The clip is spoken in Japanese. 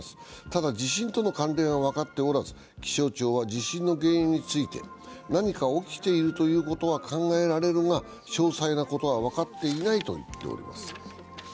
ただ、地震との関連は分かっておらず、気象庁は、地震の原因について何か起きているということは考えられるが、詳細なことは分かっていないと言っております。